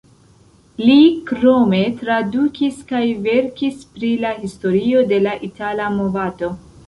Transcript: Li krome tradukis kaj verkis pri la historio de la itala movado.